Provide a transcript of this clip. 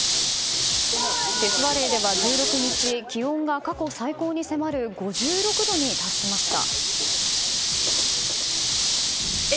デスバレーでは１６日、気温が過去最高に迫る５６度に達しました。